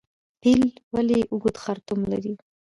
پیل ولې اوږد خرطوم لري؟